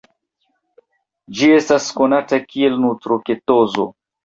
Ĝi estas konata kiel nutroketozo.